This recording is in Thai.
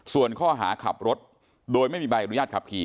ส่วนข้อหาขับรถโดยไม่มีใบอนุญาตขับขี่